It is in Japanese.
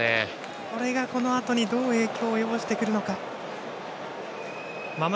これがこのあとにどう影響を及ぼしてくるか。